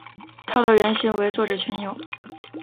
她的原型为作者前女友。